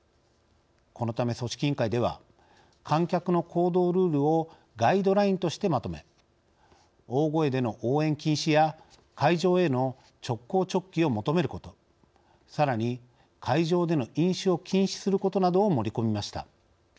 このため組織委員会では観客の行動ルールをガイドラインとしてまとめ大声での応援禁止や会場への直行直帰を求めることさらに会場での飲酒を禁止することなどを盛り込みました。